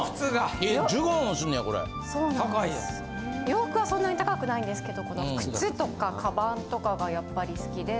洋服はそんなに高くないんですけど靴とかカバンとかがやっぱり好きで。